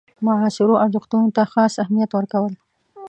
معاصرو ارزښتونو ته خاص اهمیت ورکول.